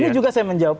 ini juga saya menjawab